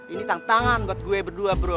ini tantangan buat gue berdua bro